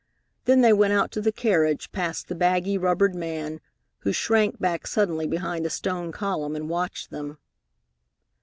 Then they went out to the carriage, past the baggy, rubbered man, who shrank back suddenly behind a stone column and watched them.